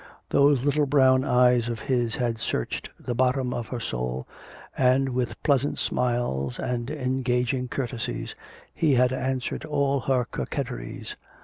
Those little brown eyes of his had searched the bottom of her soul, and, with pleasant smiles and engaging courtesies, he had answered all her coquetries.